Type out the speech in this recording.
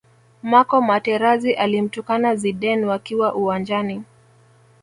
marco materazi alimtukana zidane wakiwa uwanjani